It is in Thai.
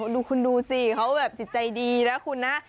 ดูคุณดูสิเขาแบบจิตใจดีนะคุณนะ